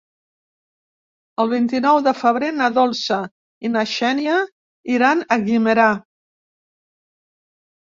El vint-i-nou de febrer na Dolça i na Xènia iran a Guimerà.